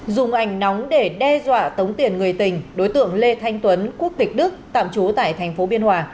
dùng ảnh nóng để đe dọa tống tiền người tình đối tượng lê thanh tuấn quốc tịch đức tạm trú tại thành phố biên hòa